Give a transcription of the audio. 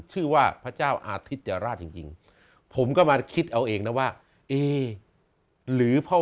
ชื่อว่าพระเจ้าอาทิตย์จราชจริงผมก็มาคิดเอาเองนะว่าเอ๊หรือพ่อ